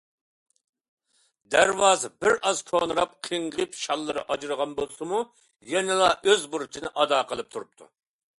دەرۋازا بىر ئاز كونىراپ، قىڭغىيىپ، شاللىرى ئاجرىغان بولسىمۇ يەنىلا ئۆز بۇرچىنى ئادا قىلىپ تۇرۇپتۇ.